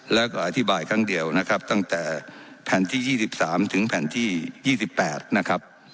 แล้วก็อธิบายครั้งเดียวนะครับตั้งแต่แผ่นที่ยี่สิบสามถึงแผ่นที่ยี่สิบแปดนะครับ